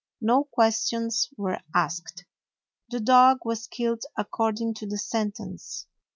No ques tions were asked. The dog was killed accord ing to the sentence.